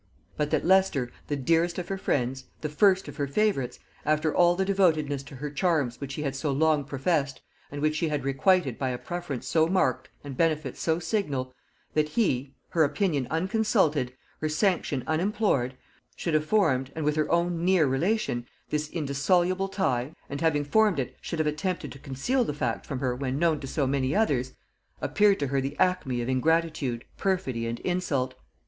But that Leicester, the dearest of her friends, the first of her favorites, after all the devotedness to her charms which he had so long professed, and which she had requited by a preference so marked and benefits so signal, that he, her opinion unconsulted, her sanction unimplored, should have formed, and with her own near relation, this indissoluble tie, and having formed it should have attempted to conceal the fact from her when known to so many others, appeared to her the acme of ingratitude, perfidy, and insult.